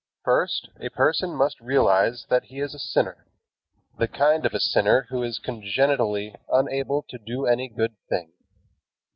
First, a person must realize that he is a sinner, the kind of a sinner who is congenitally unable to do any good thing.